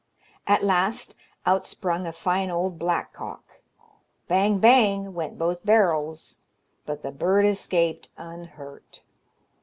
At last out sprung a fine old blackcock. Bang, bang, went both barrels, but the bird escaped unhurt.